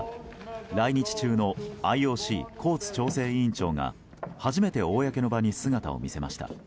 来日中のＩＯＣ、コーツ調整委員長が初めて公の場に姿を見せました。